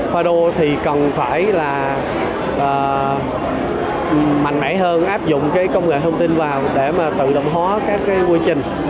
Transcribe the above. fado thì cần phải là mạnh mẽ hơn áp dụng cái công nghệ thông tin vào để mà tự động hóa các cái quy trình